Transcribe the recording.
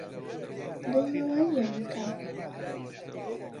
دڵنەوایییان بکە.